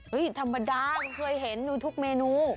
เฮ้ยธรรมดาเคยเห็นทุกเมนู